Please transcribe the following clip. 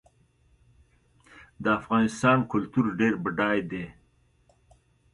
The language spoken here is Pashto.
د افغانستان کلتور ډېر بډای دی.